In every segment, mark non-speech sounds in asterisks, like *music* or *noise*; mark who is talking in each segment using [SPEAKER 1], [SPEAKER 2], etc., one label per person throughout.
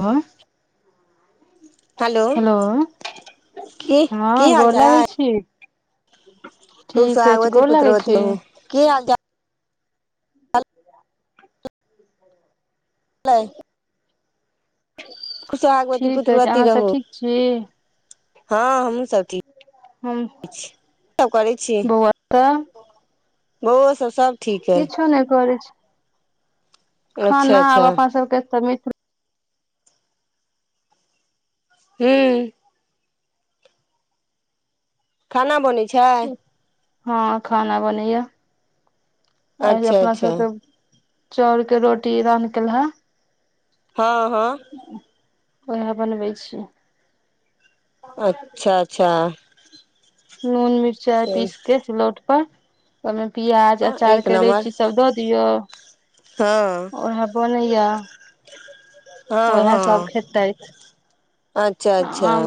[SPEAKER 1] आ हेलो
[SPEAKER 2] की
[SPEAKER 1] हँ
[SPEAKER 2] की हाल
[SPEAKER 1] गोर लगै छी
[SPEAKER 2] तू
[SPEAKER 1] ठीक अछि
[SPEAKER 2] सोहागवती
[SPEAKER 1] गोर लागै छी
[SPEAKER 2] पुत्रवती ह‌उ की हाल चाल खुब सोहागवती
[SPEAKER 1] ठीक अछि
[SPEAKER 2] पुत्रवती
[SPEAKER 1] अहाँ सब
[SPEAKER 2] रहू
[SPEAKER 1] ठीक छी
[SPEAKER 2] हँ हमु सभ
[SPEAKER 1] हम
[SPEAKER 2] सब करै छी
[SPEAKER 1] बौआ
[SPEAKER 2] बउओ सब सब ठीक अइ
[SPEAKER 1] किछ नहि करै छै
[SPEAKER 2] अच्छा
[SPEAKER 1] खाना आब
[SPEAKER 2] अच्छा
[SPEAKER 1] अपना सबके त
[SPEAKER 2] हू खाना बनै छै
[SPEAKER 1] हँ खाना बनैया आय जे
[SPEAKER 2] अच्छा
[SPEAKER 1] अपना
[SPEAKER 2] अच्छा
[SPEAKER 1] सबके चाउरके रोटी इ रान्ह केलहा
[SPEAKER 2] हँ हँ
[SPEAKER 1] उएह बनबै छि
[SPEAKER 2] अच्छा अच्छा
[SPEAKER 1] नून मिरचाइ
[SPEAKER 2] हँ
[SPEAKER 1] पीस के सिलौट पर ओ प्याज अचार
[SPEAKER 2] एक
[SPEAKER 1] के
[SPEAKER 2] नम्बर
[SPEAKER 1] रैची सब दऽ दियऔ
[SPEAKER 2] हँ
[SPEAKER 1] उएह बनैया
[SPEAKER 2] हँ
[SPEAKER 1] उएहसभ
[SPEAKER 2] हँ
[SPEAKER 1] खेतै
[SPEAKER 2] अच्छा अच्छा
[SPEAKER 1] आम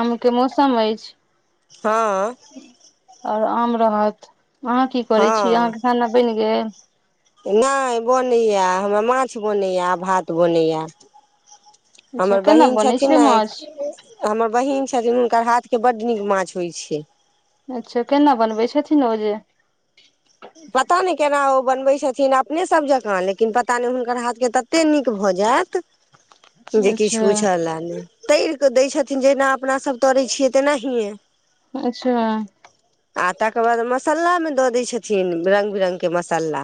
[SPEAKER 1] आमके मौसम अछि
[SPEAKER 2] हँ
[SPEAKER 1] आओर आम रहत अहाँ की करै छी
[SPEAKER 2] हँ
[SPEAKER 1] अहाँके खाना बनि गेल
[SPEAKER 2] नहि बनैया हमरा माछ बनैया भात बनैया
[SPEAKER 1] अच्छा
[SPEAKER 2] हमर
[SPEAKER 1] केना
[SPEAKER 2] बहिन
[SPEAKER 1] बनै
[SPEAKER 2] छथिन
[SPEAKER 1] छै
[SPEAKER 2] ने
[SPEAKER 1] माछ
[SPEAKER 2] हमर बहिन छथिन हुनकर हाथ के बड नीक माछ होइ छै
[SPEAKER 1] अच्छा केना बनबै छथिन ओ जेे
[SPEAKER 2] पता नहि केना ओ बनबै छथिन अपने सब जकाँ लेकिन पता नहि हुनकर हाथ के तते नीक भऽ जा जायत जे किछु
[SPEAKER 1] अच्छा
[SPEAKER 2] पूछलए नहि तरि दै छथिन जेना अपनासभ तरै छियै तेनाहिए
[SPEAKER 1] अच्छा
[SPEAKER 2] आ तकर बाद मसल्लामे दऽ दै छथिन रंगग बिरंगगके मसल्ला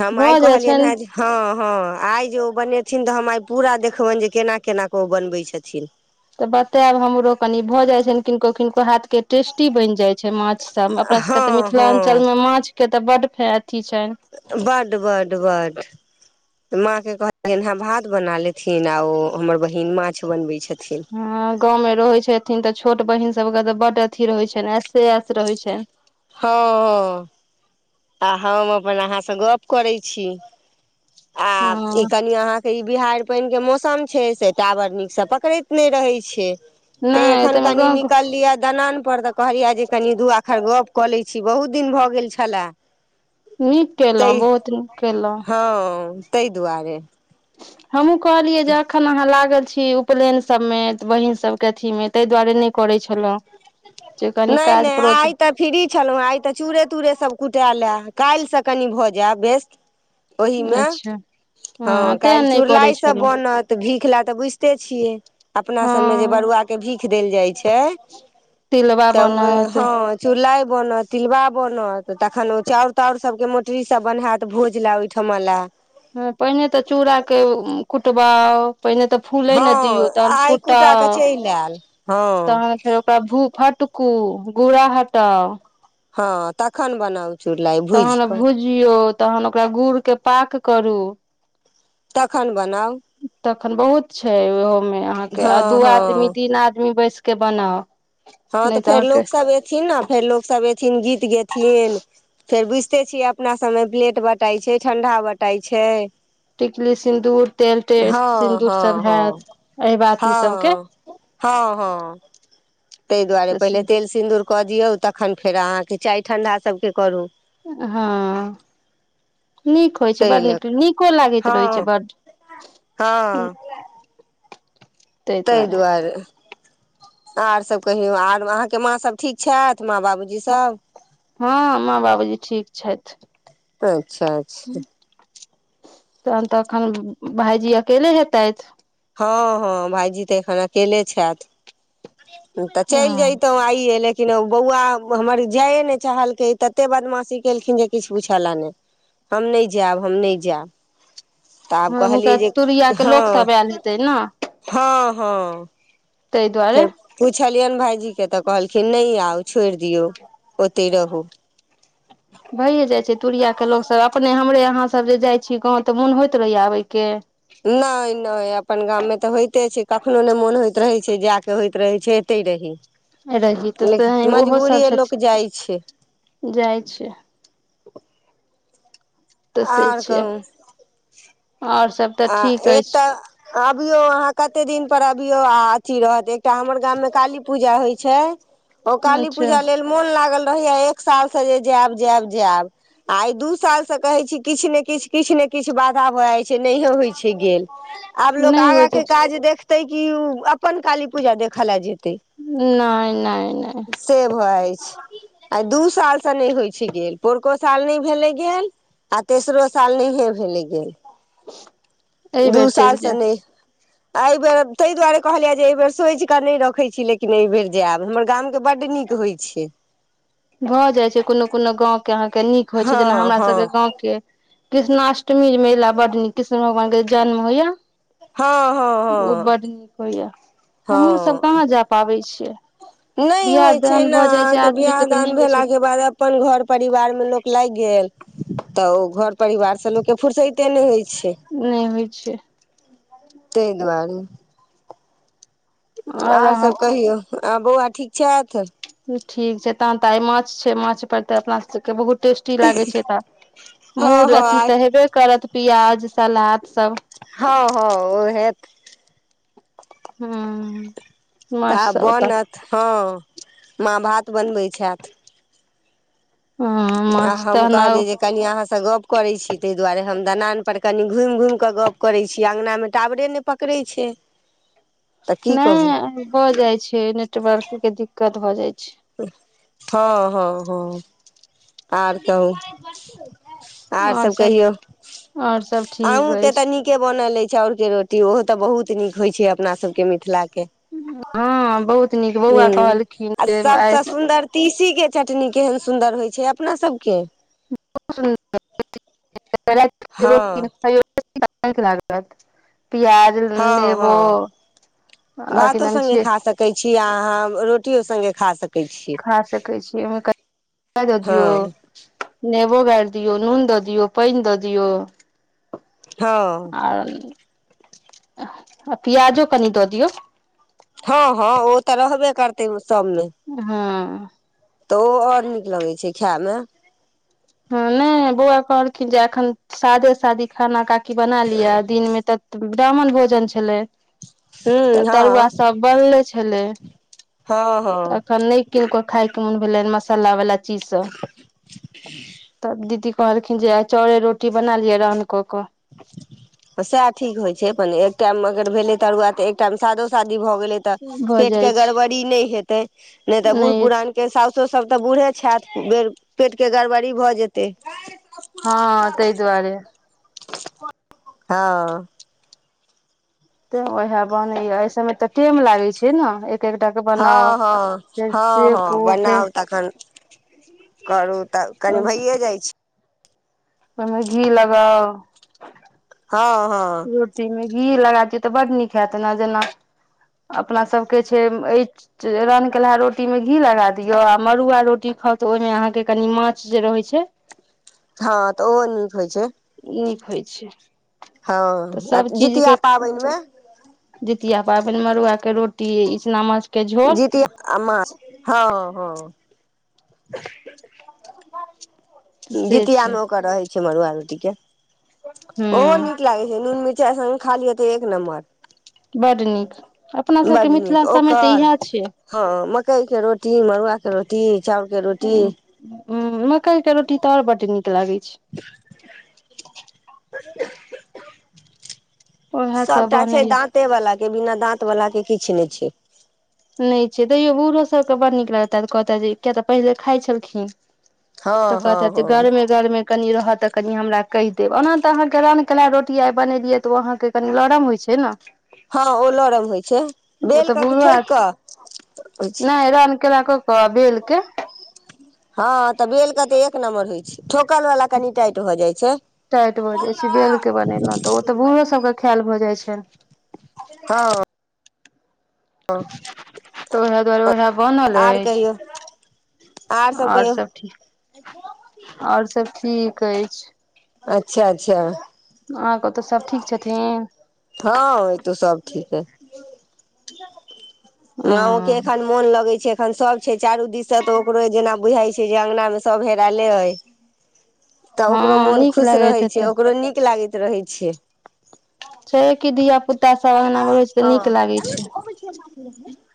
[SPEAKER 2] हम आइ
[SPEAKER 1] भऽ जाइ
[SPEAKER 2] कहलियनि
[SPEAKER 1] छनि
[SPEAKER 2] हें हँ हँ आइ जे ओ बनेथिन तऽ हम आइ पूरा देखबनि जे केना केना कऽ ओ बनबै छथिन
[SPEAKER 1] तऽ बतायब हमरो कनि भऽ जाइ छ किनको किनको हाथ के टेस्टी बनि जाइ छै माछ सब अपना सबके तऽ
[SPEAKER 2] हँ हँ
[SPEAKER 1] मिथिलाञ्चलमे माछ के तऽ बड फायत
[SPEAKER 2] बड बड बड तऽ माँ के कहलियैन हं भात बना लेथिन आ ओ हमर बहिन माछ बनबै छै
[SPEAKER 1] हँ गाँवमे रहैत छथिन तऽ छोट बहिन सभके तऽ बड्ड अथी रहैत छनि ऐसे रहै छनि
[SPEAKER 2] हँ हँ आ हम अपन अहाँ से गप करै छी आ ई
[SPEAKER 1] हँ
[SPEAKER 2] कनि अहाँके ई बिहाड़ि पानिके मौसम छै से टावर नीक स पकड़ैत नै रहै छै तऽ
[SPEAKER 1] नहि
[SPEAKER 2] एखन
[SPEAKER 1] ताहिमे
[SPEAKER 2] कनि
[SPEAKER 1] गाँव
[SPEAKER 2] निकल लिया दनानपर तऽ कहलियै जे कनि दू आखर गप कऽ लै छी बहुत दिन भऽ गेल छलए
[SPEAKER 1] नीक केेलहुं
[SPEAKER 2] ताहि
[SPEAKER 1] बहुत नीक केेलहुं
[SPEAKER 2] हँ ताहि दुआरे
[SPEAKER 1] हमहहुँ कहलियै जे अखन अहाँ लागल छी छी उपनयन सबमे बहिन सबके अथीमे ताहि दुआरे नहि करै छलहुं
[SPEAKER 2] नहि नहि आइ त फ्री छलहुं हँ आइ त चूड़े तूड़े सब कुटेलए काल्हिसँ कनि भऽ जायब व्यस्त ओहिमे
[SPEAKER 1] अच्छा
[SPEAKER 2] हँ
[SPEAKER 1] तें
[SPEAKER 2] काल्हि
[SPEAKER 1] नहि करै
[SPEAKER 2] चुड़लाय सभ
[SPEAKER 1] छलहुँ
[SPEAKER 2] बनत भीख लए तऽ बुझिते छियै अपना सबमे जे
[SPEAKER 1] हँ
[SPEAKER 2] बरुआ के भीख देल जाइ छै
[SPEAKER 1] तिलबा
[SPEAKER 2] तऽ ओ
[SPEAKER 1] बनत
[SPEAKER 2] हँ चू रलाइ बनत तिलबा बनत तखन ओ चाउर ताउर सबके मोटरी सब बन्हाएत भोज ले ओहिठाम मला
[SPEAKER 1] हं पहिने तऽ चूड़ाक के कुटबाउ पहिने तऽ फूलय
[SPEAKER 2] हँ
[SPEAKER 1] ने दियौ तहन
[SPEAKER 2] आइ कुटा के
[SPEAKER 1] कुटाउ
[SPEAKER 2] चलि आयल हँ
[SPEAKER 1] तहन फेर ओकरा भू फट कु गुड़ा हटाउ
[SPEAKER 2] हँ तखन बनाउ चुड़लाइ भुजि
[SPEAKER 1] तहन
[SPEAKER 2] कऽ
[SPEAKER 1] भुजियौ तहन ओकरा गुड़के पाक करू
[SPEAKER 2] तखन बनाउ
[SPEAKER 1] तखन बहुत छै ओहोमे अहाँके आ
[SPEAKER 2] हँ
[SPEAKER 1] दू
[SPEAKER 2] हँ
[SPEAKER 1] आदमी तीन आदमी बैस के बनाओ
[SPEAKER 2] हँ तऽ फेर लोकसभ अयथिन ने फेर लोकसभ अयथिन गीत गयथिन फेर बुझिते छियै अपना सबमे प्लेट बटाई छै ठंडा बटाई छै
[SPEAKER 1] टिकली सिन्दूर तेल तेल
[SPEAKER 2] हँ
[SPEAKER 1] सिन्दूर सभ
[SPEAKER 2] हँ
[SPEAKER 1] हायत
[SPEAKER 2] हँ
[SPEAKER 1] एहिबाती सभकें
[SPEAKER 2] हँ हँ हँ तै दुआरे
[SPEAKER 1] तऽ
[SPEAKER 2] पहिले तेल सिन्दूर कऽ दियौ तखन फेर अहाँके चाय ठंडा सभके करू
[SPEAKER 1] हँ नीक होइ छै
[SPEAKER 2] ताहि
[SPEAKER 1] बड
[SPEAKER 2] लऽ
[SPEAKER 1] नीक
[SPEAKER 2] कऽ।
[SPEAKER 1] नीको लागैत रहै
[SPEAKER 2] हँ
[SPEAKER 1] छै बड
[SPEAKER 2] हँ ताहि दुआरे आरसभ कहियौ आर अहाँके माँसभ ठीक छथि माँ बाबूजी सब
[SPEAKER 1] हँ माँ बाबूजी ठीक छथि
[SPEAKER 2] अच्छा अच्छा
[SPEAKER 1] तन तखन भायजी अकेल हेतैथ
[SPEAKER 2] हँ हँ भायजी तऽ एखन अकेले छथि तऽ चलि
[SPEAKER 1] हँ
[SPEAKER 2] जइतहुं आइए लेक लेकिन बौआ हमर जाइए नहि चाहलकै ततेक बदमाशी केलखिन जे किछु पुछ' लए नहि हम नहि जायब हम नहि जायब तऽ आब
[SPEAKER 1] हं हुंनका
[SPEAKER 2] कहलियै जे
[SPEAKER 1] तूरिया के
[SPEAKER 2] हँ
[SPEAKER 1] लोकसभ आयल हेतै ने
[SPEAKER 2] हँ हँ
[SPEAKER 1] ताहि
[SPEAKER 2] फेर
[SPEAKER 1] दुआरे
[SPEAKER 2] पुछलियनि भाइजी के तऽ कहलखिन नहि आउ छोड़ि दियौ ओते रहू
[SPEAKER 1] भैए जाइ छै तूरिया के लोकसभ अपने हमरे अहाँसभ जे जाइ छी गाँव तऽ मोन होइत रहैय आबयके
[SPEAKER 2] नहि नहि अपन गाममे तऽ होइते छै कखनो नहि मोन होइत रहैत छै जाय के होइत रहैत छै एते
[SPEAKER 1] रही तऽ से
[SPEAKER 2] लेकिन
[SPEAKER 1] ओहो सब
[SPEAKER 2] मजबूरी लोक
[SPEAKER 1] छथि
[SPEAKER 2] जाइ छै
[SPEAKER 1] जाइ छै तऽ से
[SPEAKER 2] आर
[SPEAKER 1] छैिय
[SPEAKER 2] कहू
[SPEAKER 1] आओर सभ तऽ
[SPEAKER 2] आ
[SPEAKER 1] ठीक
[SPEAKER 2] एक
[SPEAKER 1] अछि
[SPEAKER 2] तऽ अबियौ अहाँ कतेक दिन पर अबियौ आ अथी रहत एकटा हमर गाममे काली पूजा होइ छै ओ काली
[SPEAKER 1] अच्छा
[SPEAKER 2] पूजा लेल मोन लागल रहै एक साल से जे जायब जायब जायब आ दू साल से कहै छी किछु ने किछु किछु ने किछ बाधा भऽ जा छै नहियो होइ छै गेल आब लोक
[SPEAKER 1] नहि
[SPEAKER 2] आगा
[SPEAKER 1] होइत
[SPEAKER 2] के
[SPEAKER 1] अछि
[SPEAKER 2] काज देख ते की अपन काली पूजा देखऽ ल जेतै
[SPEAKER 1] नहि नहि नहि
[SPEAKER 2] से भऽ जाय छै आइ दू सालसँ नहि होइ छै गेल पोरको साल नहि भेलै गेल आ तेसरो साल नहिेये भेल
[SPEAKER 1] एहि
[SPEAKER 2] गेल दू
[SPEAKER 1] बेर
[SPEAKER 2] साल
[SPEAKER 1] चलि
[SPEAKER 2] से
[SPEAKER 1] जायब
[SPEAKER 2] नहि एहि बेर ताहि दुआरे कहलियै जे एहि बेर सोचि कऽ नहि रखै छी लेकिन एहि बेर जायब हमर गामके बड्ड नीक होइ छै
[SPEAKER 1] भऽ जाइत छै कोनो कोनो गाँवके अहाँके नीक होइ छै जेना
[SPEAKER 2] हँ
[SPEAKER 1] हमरा
[SPEAKER 2] हँ
[SPEAKER 1] सभके गाँवके कृष्णाष्टमी मेला बड नीक कृष्ण भगवान के जन्म होइया
[SPEAKER 2] हँ हँ
[SPEAKER 1] ओ
[SPEAKER 2] हँ
[SPEAKER 1] बड नीक होइय हमहुं सब
[SPEAKER 2] हँ
[SPEAKER 1] कहाँ जाय पाबै छियै
[SPEAKER 2] नहि
[SPEAKER 1] बियाह
[SPEAKER 2] होय छै
[SPEAKER 1] दान
[SPEAKER 2] ने
[SPEAKER 1] भऽ जाइ
[SPEAKER 2] अहाँ
[SPEAKER 1] छै
[SPEAKER 2] के बियाह
[SPEAKER 1] आदमीके तऽ नहि
[SPEAKER 2] दान
[SPEAKER 1] होइ छै
[SPEAKER 2] भेला के बाद अपन घर परिवार में लोक लागि गेल तऽ ओ घर परिवार से लोक के फुुरसते नहि होय छै
[SPEAKER 1] नहि होय छै
[SPEAKER 2] तहि दुआरे
[SPEAKER 1] आओर
[SPEAKER 2] आर सब
[SPEAKER 1] अहाँके
[SPEAKER 2] कहियौ आ बौआ ठीक छथि
[SPEAKER 1] ठीक छै तहन तऽ आइ माछ छै माछ पर तऽ अपना सबके बहुत टेस्टी लागे छै तऽ
[SPEAKER 2] हँ
[SPEAKER 1] मूर
[SPEAKER 2] हँ
[SPEAKER 1] अथी
[SPEAKER 2] आइ
[SPEAKER 1] तऽ हेबे करत प्याज सलाद सब
[SPEAKER 2] हँ हँ ओ हेत
[SPEAKER 1] हू
[SPEAKER 2] तऽ बनत हँ माँ भात बनबैत छथि
[SPEAKER 1] हँ
[SPEAKER 2] आ
[SPEAKER 1] माछ
[SPEAKER 2] हम
[SPEAKER 1] तहन
[SPEAKER 2] कहलियै जे कनि अहाँसँ गप करै छी ताहि दुआरे हम दनान पर कनि घुमि घुमि कऽ गप करै छी अङंगना मे टावरे न पकड़ै छै तऽ की कहू
[SPEAKER 1] नहि भ जाय छै नेटवर्क के दिक्कत भ जाइ छै
[SPEAKER 2] हँ हँ हँ आर कहू आर सब कहियौ
[SPEAKER 1] आओर सब ठीक
[SPEAKER 2] अहुंके तऽ
[SPEAKER 1] अछि
[SPEAKER 2] नीके बनल अछि चाउर के रोटी ओहो तऽ बहुत नीक होय छै अपना सब के मिथिला के
[SPEAKER 1] हँ बहुत नीक
[SPEAKER 2] ह
[SPEAKER 1] बौआ कहलखिन
[SPEAKER 2] आ
[SPEAKER 1] जे
[SPEAKER 2] सबस
[SPEAKER 1] आइ
[SPEAKER 2] सुन्दर तीसी के चटनी केहन सुन्दर होइ छै अपना सबके
[SPEAKER 1] र
[SPEAKER 2] हँ
[SPEAKER 1] *unintelligible* पिआज
[SPEAKER 2] हँ
[SPEAKER 1] नेबो
[SPEAKER 2] हँ
[SPEAKER 1] आओर की नाम छिय
[SPEAKER 2] किए अहाँ रोटियओ सङ्गे खा सकैत छी
[SPEAKER 1] खा सकै छिय ओमे द दियौ
[SPEAKER 2] हँ
[SPEAKER 1] नेबो गारि दियऔ नून द दियऔ पानि दऽ दियऔ
[SPEAKER 2] हँ
[SPEAKER 1] आर आ पियाजो कनि दऽ दियौ
[SPEAKER 2] हँ हँ ओ तऽ रहबे करतै सबमे
[SPEAKER 1] हँ
[SPEAKER 2] तऽ ओ आओर नीक लगै छै खायमे
[SPEAKER 1] हँ नहि बौआ कहलखिन जे एखन सादे सादी खाना काकी बना लियअ दिन मे तऽ ब्राह्मण भोजन छलै तऽ
[SPEAKER 2] हूँ
[SPEAKER 1] तरुआ
[SPEAKER 2] हँ
[SPEAKER 1] सब बनले छलै
[SPEAKER 2] हँ
[SPEAKER 1] तऽ
[SPEAKER 2] हँ
[SPEAKER 1] एखन नहि किनको खायके मोन भेलै मसालावला चीजसभ तब दीदी कहलखिन जे चाउरे रोटी बना लियअ रहन कऽ कऽ
[SPEAKER 2] सएह ठीक होइ छै अपन एक टाइम अगर भेलै तरुआ तऽ एकटाइम सादो सादी भ गेलै तऽ
[SPEAKER 1] भऽ
[SPEAKER 2] पेट
[SPEAKER 1] जाइ
[SPEAKER 2] के गड़बड़ी नहि हेतै नहि तऽ
[SPEAKER 1] छै
[SPEAKER 2] बूढ़
[SPEAKER 1] नहि
[SPEAKER 2] पुरान के सो सभ तऽ बूढ़े छथि बेर पेट के गड़बड़ी भऽ जेतै
[SPEAKER 1] हँ तहि दुआरे
[SPEAKER 2] हँ
[SPEAKER 1] तऽ उएह बनैया एहि समय तऽ टेम लागैत छै न
[SPEAKER 2] हँ हँ हँ हँ
[SPEAKER 1] सेकू फेर
[SPEAKER 2] बनाव तखन करू तऽ कनि
[SPEAKER 1] ओहिमे
[SPEAKER 2] भइए जाइ छी
[SPEAKER 1] ओहिमे घी लगाउ
[SPEAKER 2] हँ हँ
[SPEAKER 1] रोटी मे घी लगा दियै तऽ बड्ड नीक हेत ने जेना अपना सबके छै अ रन केलहा रोटी में घी लगा दियौ आ मड़ुआ रोटी खाउ तऽ ओहिमे अहाँके कनि माछ जे रहै छै
[SPEAKER 2] हँ तऽ ओहो नीक होइ छै
[SPEAKER 1] नीक होइ छै तऽ
[SPEAKER 2] हँ
[SPEAKER 1] सभ
[SPEAKER 2] जितिया
[SPEAKER 1] चीजके
[SPEAKER 2] पाबनिमे
[SPEAKER 1] जितिया पाबनि मरुआके रोटी ईचना माछ के झोर
[SPEAKER 2] जीत माछ हँ हँ
[SPEAKER 1] से छै
[SPEAKER 2] जीतियामे ओकर रहै छै मड़ुआ रोटीके ओ
[SPEAKER 1] हूँ
[SPEAKER 2] नीक लागे छै नून मिरचाइ सगं खालीय त एक नम्बर
[SPEAKER 1] बड नीक अपना सबके
[SPEAKER 2] बड नीक
[SPEAKER 1] मिथिला सभमे तऽ
[SPEAKER 2] ओकर
[SPEAKER 1] इएह छियै
[SPEAKER 2] हँ मकइके रोटी मड़ुआके रोटी चाउरके रोटी
[SPEAKER 1] ह मकइ के रोटी तऽर बड नीक लागै छै उएह सब
[SPEAKER 2] सभटा छै
[SPEAKER 1] बनैया
[SPEAKER 2] दाँते वालला के बिना दाँत वलला के किछु नहि छै
[SPEAKER 1] नहि छै तैयो बूढ़ो सभके बड़ नीक लगताऽ कहताे जे किया तऽ पहिले खाइत छलखिन तऽ
[SPEAKER 2] हँ हँ
[SPEAKER 1] कहततै
[SPEAKER 2] हँ
[SPEAKER 1] गरमे गरमे कनी रह तक कनि हमरा कहि देब ओना तऽ अहाँके रन केेल रोटी आइ बनेलियै अहाँके कनि लरम होइ छै ने
[SPEAKER 2] हँ लरम होइ छै
[SPEAKER 1] ओ
[SPEAKER 2] बेल
[SPEAKER 1] तऽ
[SPEAKER 2] कऽ कि
[SPEAKER 1] बूढ़ो
[SPEAKER 2] ठोकि कऽ
[SPEAKER 1] नहि एरा रन के ल क
[SPEAKER 2] हँ तऽ बेलकते एक नमंबर होइ छै ठोकल वा कनि टाइट हो जाइ छै
[SPEAKER 1] टाइट भऽ जाइत छै बेल के बनेलहुँ तऽ ओ तऽ बूढ़ो सभके ख्याल भऽ जाइत छनि
[SPEAKER 2] हँ
[SPEAKER 1] तऽ ओएह दुआरे ओएह बनल
[SPEAKER 2] आर
[SPEAKER 1] अछि
[SPEAKER 2] कहियौ आर सब
[SPEAKER 1] आओर
[SPEAKER 2] कहियौ
[SPEAKER 1] सभ ठीक आओर सभ ठीक अछि
[SPEAKER 2] अच्छा अच्छा
[SPEAKER 1] अहाँके तऽ सब ठीक छथिन
[SPEAKER 2] हँ ई तो सब ठीक हय म ओ के एखन मोन लगे छै एखन सब छै चारू दिस से तऽ ओकरो जेना बुझाई छै अंगगना मे सब हेरा ले हइ तऽ ओकरो
[SPEAKER 1] हँ
[SPEAKER 2] मोन
[SPEAKER 1] नीक
[SPEAKER 2] खुश
[SPEAKER 1] लागैत
[SPEAKER 2] रहै छै
[SPEAKER 1] हेतै
[SPEAKER 2] ओकरो नीक लागैत रहै छै
[SPEAKER 1] छै कि धिय पुता सब अगनामेढ़ै छै तऽ
[SPEAKER 2] हँ
[SPEAKER 1] नीक लागै छै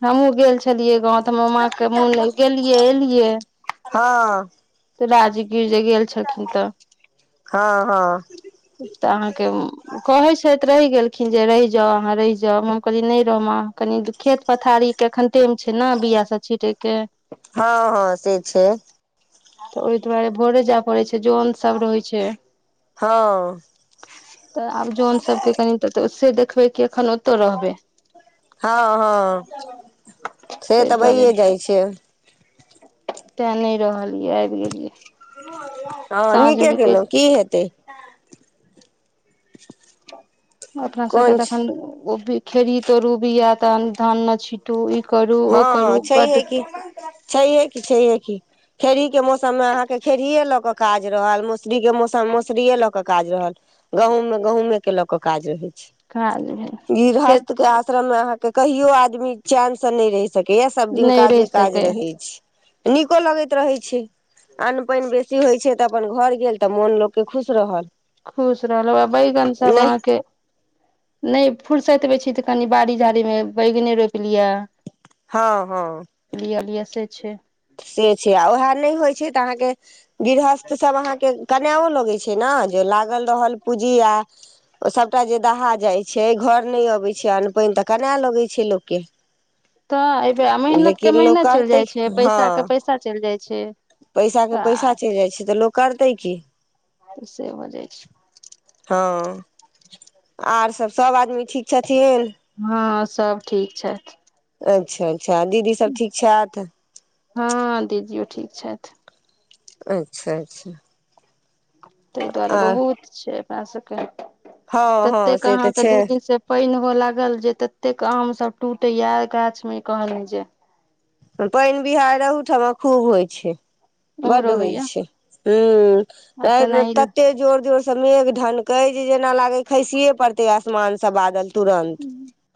[SPEAKER 1] हमूँ गेल छलियै गाँव तऽ हमर मा के मोन गेलियै एलियै
[SPEAKER 2] हँ
[SPEAKER 1] गिरजे गेल छलखिन तऽ
[SPEAKER 2] हँ हँ
[SPEAKER 1] तऽ अहाँके कहै छथि रहि गेल देख जे रहिज हहाँ रहिज मन कहली नहि रमा कनि खेत पथारी के एखन टेम छै ने बिया सब छीटे के
[SPEAKER 2] कसे छै
[SPEAKER 1] तऽ ओहि दुआरे भोरे जाय पड़ै छै जोन सभ रहै छ
[SPEAKER 2] हँ
[SPEAKER 1] तऽ आब जोन सबके कनि से देख एखन ओतऽ रहबैइ
[SPEAKER 2] हँ हँ से तऽ भइए जाइ छैइ
[SPEAKER 1] त नई रहलिअई आबि गेलियैइ
[SPEAKER 2] हँ नीके केलहुँ की हेतय ह
[SPEAKER 1] अपना सबके तऽ एखन खेड़ही तरू बिया तहन धान न छीटू ई करू ओ करू
[SPEAKER 2] हंअ् छैइ हे
[SPEAKER 1] बड्ड
[SPEAKER 2] कि छैइ ह कि छैइ हे कि खेरही के मौसम में अहाँके खेरहिये लऽ कऽ काज रहल मसरीके मौसममे मौसुरिए लऽ कऽ काज रहल गहूम में गहूमे के लऽ के काज रहै छै
[SPEAKER 1] काज भेल खेत
[SPEAKER 2] गृहस्थ के आश्रम में अहाँ के कहियो आदमी चैन से नहि रहि सकैय सब दिन
[SPEAKER 1] नहि
[SPEAKER 2] काजे
[SPEAKER 1] रहि
[SPEAKER 2] काज
[SPEAKER 1] सकै
[SPEAKER 2] रहै छैय नीको लगैत रहैत छैय अन्न पानि बेसी होइत छैइ तऽ अपन घर गेल तऽ मोन लोकके खुश रहल
[SPEAKER 1] खुश रहलहु आ बैगन सब
[SPEAKER 2] नहि
[SPEAKER 1] अहाँके नई फूरसत में छी तऽ कनि बाड़ी झाड़ी में बैगने रोपि लियअ
[SPEAKER 2] हां हां
[SPEAKER 1] से छै
[SPEAKER 2] से छैय आ उएह नहि होइ छैइ तऽ अहाँके गृहस्थ सब अहाँके कनाओ ल न जे लागल रहल पूंजी आ ओ सबटा जे दहा जाय छैय घर नई अबैइ छैइ अन्न पानि तऽ कनाए लगैइ छैइ लोगके
[SPEAKER 1] तऽ एबै मेहनत के मेहनत चलि
[SPEAKER 2] करतै
[SPEAKER 1] जाइ छैय
[SPEAKER 2] हँ पैसा के पैसा
[SPEAKER 1] आ
[SPEAKER 2] चलि जाइ छैइ तऽ लोक करतै की
[SPEAKER 1] तऽ से ब जाै छै
[SPEAKER 2] हँ आर सभ सभ आदमी ठीक छथिन
[SPEAKER 1] हँ सब ठीक छथि
[SPEAKER 2] अच्छा अच्छा दीदी सब ठीक छथ
[SPEAKER 1] हँ दीदियो ठीक छथ
[SPEAKER 2] अच्छा अच्छा
[SPEAKER 1] ताहि दुआरे
[SPEAKER 2] आ
[SPEAKER 1] बहुत छैय अपना सबके
[SPEAKER 2] हँ हँ
[SPEAKER 1] ततेक
[SPEAKER 2] से
[SPEAKER 1] अहाँ
[SPEAKER 2] तऽ
[SPEAKER 1] के
[SPEAKER 2] छै
[SPEAKER 1] दू दिन से पाइनो होय लागल जे ततेक आम सब टूटैय या गाछ में कहली जे
[SPEAKER 2] पानि बिहाइर अहूठाम खूब होइ छैय बड्ड
[SPEAKER 1] उम्हरो
[SPEAKER 2] होइ
[SPEAKER 1] होइया
[SPEAKER 2] छैय
[SPEAKER 1] आ
[SPEAKER 2] हूं अई बेर
[SPEAKER 1] तेनाही
[SPEAKER 2] तते जोर जोर मेघ ढनकै जे जेना लागैइ खसिये पड़तै आसमान सब बादल तुरन्त